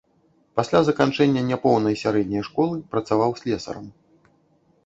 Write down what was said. Пасля заканчэння няпоўнай сярэдняй школы працаваў слесарам.